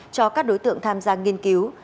cho các đối tượng tham gia nghiên cứu